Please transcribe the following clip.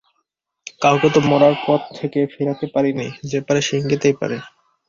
কাউকে তো মরার পথ থেকে ফেরাতে পারি নে, যে পারে সে ইঙ্গিতেই পারে।